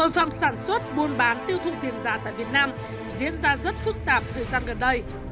tội phạm sản xuất buôn bán tiêu thụ tiền giả tại việt nam diễn ra rất phức tạp thời gian gần đây